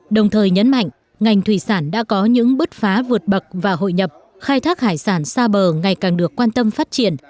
đồng thời nhấn mạnh ngành thủy sản đã có những bứt phá vượt bậc và hội nhập khai thác hải sản xa bờ ngày càng được quan tâm phát triển